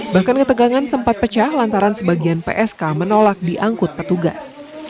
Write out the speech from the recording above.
bahkan ketegangan sempat pecah lantaran sebagian psk menolak diangkut petugas